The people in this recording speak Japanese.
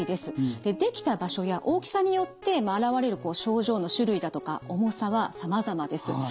できた場所や大きさによって現れる症状の種類だとか重さはさまざまです。